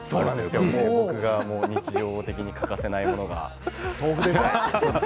僕が日常的に欠かせないものが。